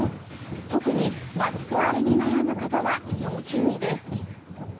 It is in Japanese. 特に、マスク荒れに悩む方は要注意です。